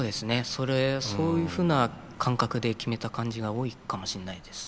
それそういうふうな感覚で決めた感じが多いかもしんないです。